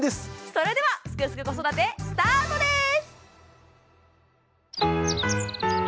それでは「すくすく子育て」スタートです！